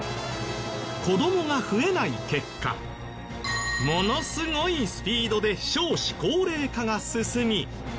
子どもが増えない結果ものすごいスピードで少子高齢化が進み